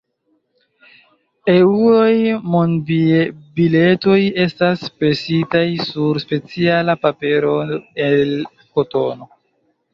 Eŭro-monbiletoj estas presitaj sur speciala papero el kotono.